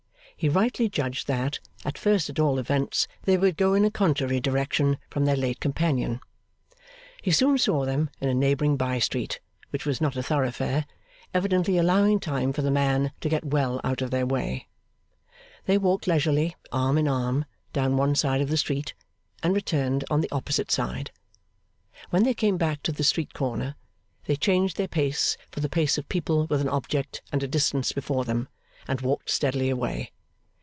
He rightly judged that, at first at all events, they would go in a contrary direction from their late companion. He soon saw them in a neighbouring bye street, which was not a thoroughfare, evidently allowing time for the man to get well out of their way. They walked leisurely arm in arm down one side of the street, and returned on the opposite side. When they came back to the street corner, they changed their pace for the pace of people with an object and a distance before them, and walked steadily away.